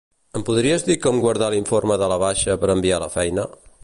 Em podries dir com guardar l'informe de la baixa per enviar a la feina?